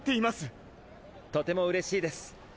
とても嬉しいです。